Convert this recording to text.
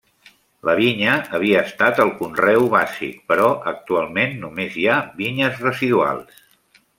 La vinya havia estat el conreu bàsic però actualment només hi ha vinyes residuals.